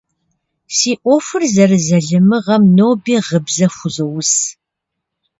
Си ӏуэхур зэрызалымыгъэм ноби гъыбзэ хузоус.